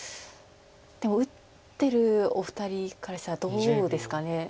でも打ってるお二人からしたらどうですか。